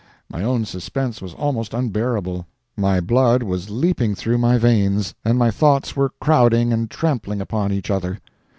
My own suspense was almost unbearable—my blood was leaping through my veins, and my thoughts were crowding and trampling upon each other.